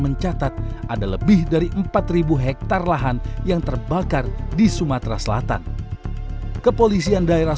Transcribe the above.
mencatat ada lebih dari empat ribu hektare lahan yang terbakar di sumatera selatan kepolisian daerah